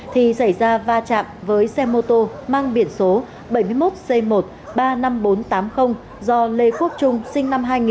thì xảy ra va chạm với xe mô tô mang biển số bảy mươi một c một ba mươi năm nghìn bốn trăm tám mươi do lê quốc trung sinh năm hai nghìn